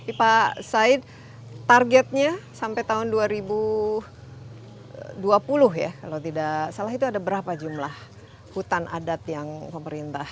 pak said targetnya sampai tahun dua ribu dua puluh ya kalau tidak salah itu ada berapa jumlah hutan adat yang pemerintah